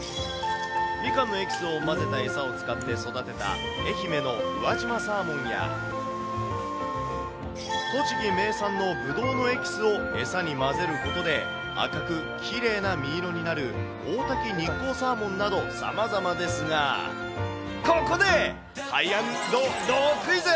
みかんのエキスを混ぜた餌を使って育てた愛媛の宇和島サーモンや、栃木名産のぶどうのエキスを餌に混ぜることで、赤くきれいな身色になる大滝日光サーモンなどさまざまですが、ここで、ハイ＆ロークイズ。